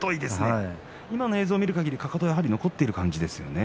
今の映像を見るかぎりかかとは残っている感じですよね。